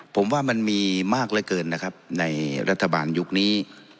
ผมว่ามันมีมากเหลือเกินนะครับในรัฐบาลยุคนี้